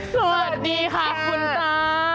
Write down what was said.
สวัสดีค่ะคุณตา